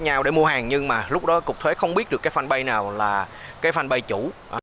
nhau để mua hàng nhưng mà lúc đó cục thuế không biết được cái fanpage nào là cái fanpag chủ